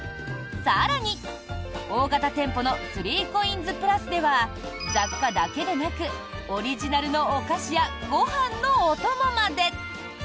更に、大型店舗の３ＣＯＩＮＳ＋ｐｌｕｓでは雑貨だけでなくオリジナルのお菓子やご飯のお供まで。